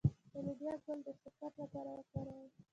د لوبیا ګل د شکر لپاره وکاروئ